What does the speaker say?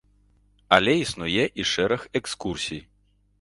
Але існуе і шэраг экскурсій.